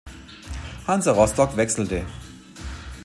Hansa Rostock wechselte.